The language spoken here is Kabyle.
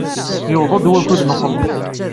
Yuweḍ-d wakud n uxelleṣ.